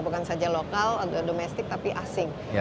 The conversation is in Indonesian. bukan saja lokal atau domestik tapi asing